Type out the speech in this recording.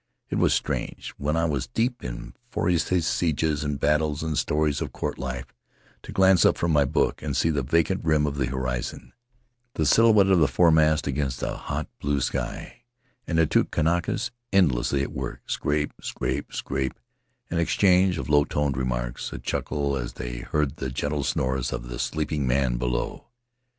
It was strange, when I was deep in Froissart's sieges and battles and stories of court life, to glance up from my book and see the vacant rim of the horizon, the sil houette of the foremast against a hot blue sky, and the two Kanakas endlessly at work — scrape, scrape, scrape; an exchange of low toned remarks; a chuckle as they heard the gentle snores of the sleeping man below.